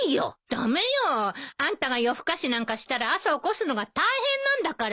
駄目よ！あんたが夜更かしなんかしたら朝起こすのが大変なんだから。